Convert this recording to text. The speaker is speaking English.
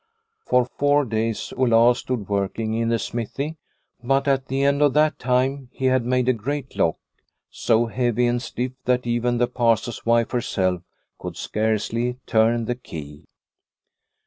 For four days Olaus A Spring Evening 215 stood working in the smithy, but at the end of that time he had made a great lock so heavy and stiff that even the Pastor's wife herself could scarcely turn the key.